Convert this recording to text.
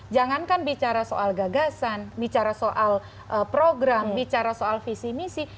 jangankan bicara soal gagasan bicara soal program bicara soal visi misi